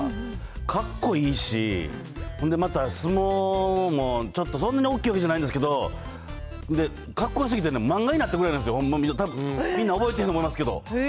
かっこいいし、ほんでまた、相撲もちょっと、そんなに大きいわけじゃないんですけど、かっこよすぎてね、漫画になったくらいなんですよ、ほんま、たぶん、みんな覚えてると思いますけど。